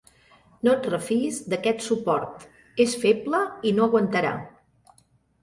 No et refiïs d'aquest suport: és feble i no aguantarà.